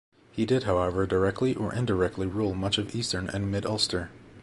He did however directly or indirectly rule much of eastern and mid-Ulster.